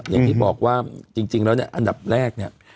อย่างที่บอกว่าจริงแล้วเนี่ยอันดับแรกเนี่ย